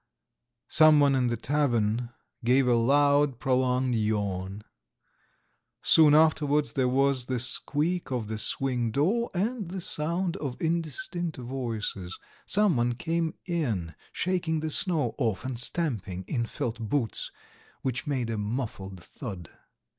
Someone in the tavern gave a loud, prolonged yawn. Soon afterwards there was the squeak of the swing door and the sound of indistinct voices. Someone came in, shaking the snow off, and stamping in felt boots which made a muffled thud.